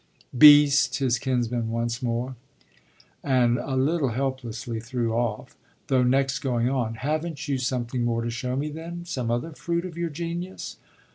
"Beast!" his kinsman once more, and a little helplessly, threw off; though next going on: "Haven't you something more to show me then some other fruit of your genius?"